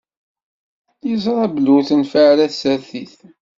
Yeẓṛa belli ur tenfiɛ ara tsertit.